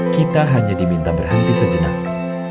kita hanya diminta berhenti sejenak